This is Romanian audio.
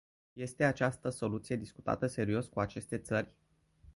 Este această soluție discutată serios cu aceste țări?